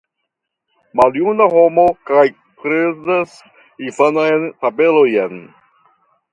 Maljuna homo kaj kredas infanajn fabelojn!